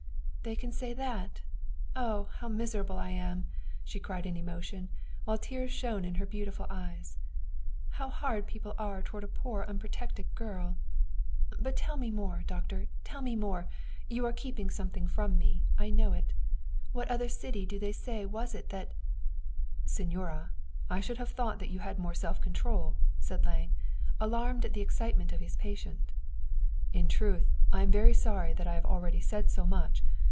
" They can say that ! Oh, how miserable I am !" she cried in emotion, while tears shone in her beautiful eyes. " How hard people are toward a poor unprotected girl. But tell me more, doctor, tell me more! You are keeping something from *me, I know it. What other city do they say was it that "" Signora, I should have thought that you had more self control!" said Lange, alarmed at the excitement of his patient. " In truth I am sorry that I have already said so much.